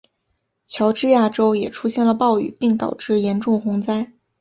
乔治亚州也出现了暴雨并导致严重洪灾。